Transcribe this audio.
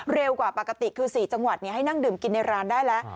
เร็วกว่าปกติคือ๔จังหวัดให้นั่งดื่มกินในร้านได้แล้ว